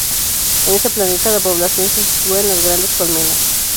En ese planeta, la población se sitúa en las grandes "colmenas".